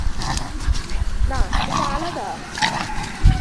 না, এটা আলাদা!